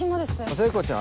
聖子ちゃん